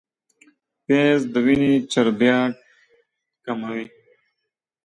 پیاز د وینې چربیات کموي